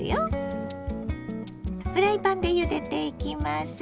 フライパンでゆでていきます。